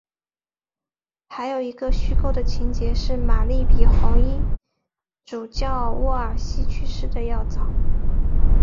还有一个虚构的情节是玛丽比红衣主教沃尔西去世的要早。